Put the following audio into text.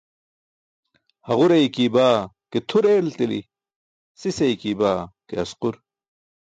Haġur eykiybaa ke tʰur eeltiri, sis eykiybaa ke asqur.